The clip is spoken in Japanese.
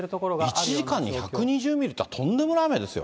１時間に１２０ミリってとんでもない雨ですよ。